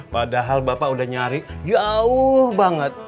padahal bapak udah nyari jauh banget